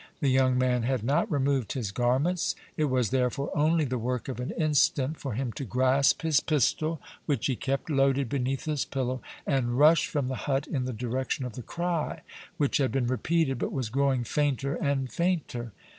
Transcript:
The young man had not removed his garments; it was, therefore, only the work of an instant for him to grasp his pistol, which he kept loaded beneath his pillow, and rush from the hut in the direction of the cry, which had been repeated, but was growing fainter and fainter.